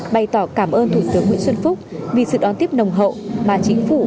bày tỏ cảm ơn thủ tướng nguyễn xuân phúc vì sự đón tiếp nồng hậu mà chính phủ